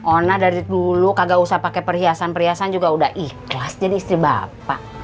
ona dari dulu kagak usah pakai perhiasan perhiasan juga udah ikhlas jadi istri bapak